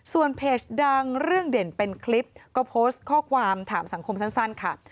ส่วนเพจดังเรื่องเด่นเป็นคลิปก็โพสต์ข้อความถามสังคมสั้นค่ะ